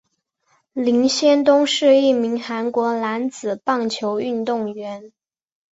林仙东是一名韩国男子棒球运动员。